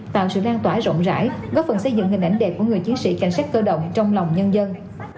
tạo sự lan tỏa rộng rãi góp phần xây dựng hình ảnh đẹp của người chiến sĩ cảnh sát cơ động trong lòng nhân dân